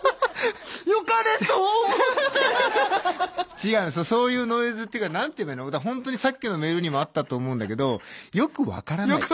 違うのそういうノイズっていうか何て言えばいいの本当にさっきのメールにもあったと思うんだけどよく分からない。